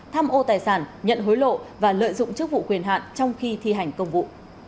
tham ô tài sản nhận hối lộ và lợi dụng chức vụ quyền hạn trong khi thi hành công vụ